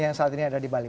yang saat ini ada di bali